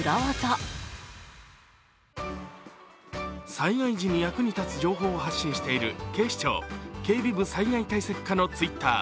災害時に役に立つ情報を発信している警視庁警備部災害対策課のＴｗｉｔｔｅｒ。